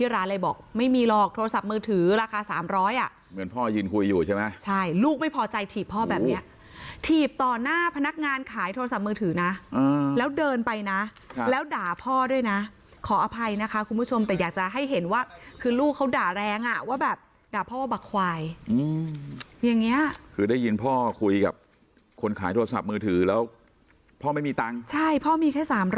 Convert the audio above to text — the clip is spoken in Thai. ราคา๓๐๐อ่ะเหมือนพ่อยืนคุยอยู่ใช่ไหมใช่ลูกไม่พอใจถีบพ่อแบบเนี้ยถีบต่อหน้าพนักงานขายโทรศัพท์มือถือนะแล้วเดินไปนะแล้วด่าพ่อด้วยนะขออภัยนะคะคุณผู้ชมแต่อยากจะให้เห็นว่าคือลูกเขาด่าแรงอ่ะว่าแบบด่าพ่อว่าบักควายอย่างเงี้ยคือได้ยินพ่อคุยกับคนขายโทรศัพท์มือถือแล้วพ่อไม